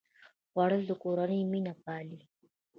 خوړل د کورنۍ مینه پالي